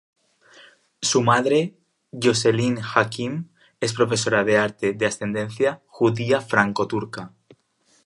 Su madre, Jocelyn Hakim, es profesora de arte de ascendencia judía franco-turca.